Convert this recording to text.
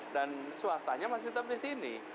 dan swastanya masih tetap di sini